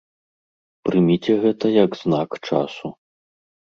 Прыміце гэта як знак часу.